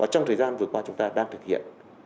trong thời gian vừa qua chúng ta đang thực hiện